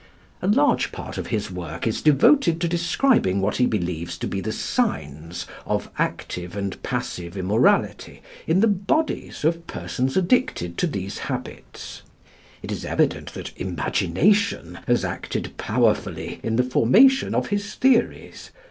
A large part of his work is devoted to describing what he believes to be the signs of active and passive immorality in the bodies of persons addicted to these habits. It is evident that imagination has acted powerfully in the formation of his theories.